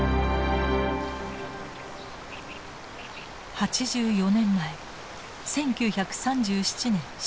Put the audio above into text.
８４年前１９３７年７月７日。